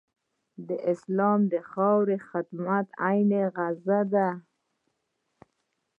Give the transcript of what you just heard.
د اسلام د خاورې خدمت عین غزا ده.